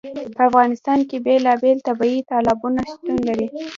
په افغانستان کې بېلابېل طبیعي تالابونه شتون لري.